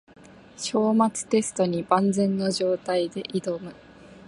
章末テストに万全の状態で挑む